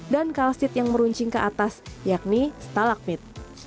dan kalsit yang meruncing ke atas yakni stalagmit